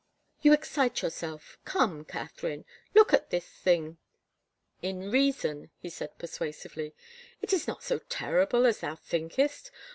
"You excite yourself — come, Catherine. Look at this thing in reason," he said persuasively. " It is not so terrible as thou thinkest.